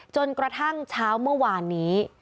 จนกระทั่งเช้าเมื่อวานนี้